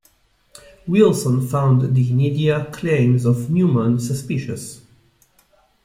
Wilson found the inedia claims of Neumann suspicious.